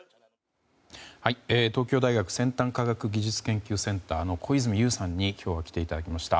東京大学先端科学技術研究センターの小泉悠さんに今日は来ていただきました。